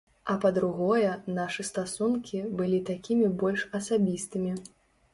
А па-другое, нашы стасункі былі такімі больш асабістымі.